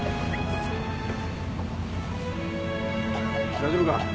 大丈夫か？